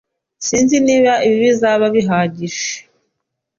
Sinzi niba ibi bizaba bihagije.